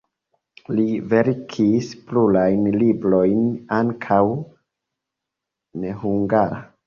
Li verkis plurajn librojn, ankaŭ nehungare.